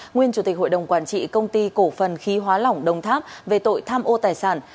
nguyên chủ tịch hội đồng quản trị công ty cổ phần khí hóa lỏng đồng tháp về tội tham ô tài sản